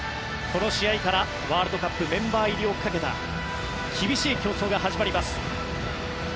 この試合からワールドカップメンバー入りをかけた厳しい競争が始まります。